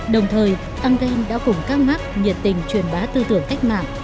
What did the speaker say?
đồng thời engel đã cùng các mark nhiệt tình truyền bá tư tưởng cách mạng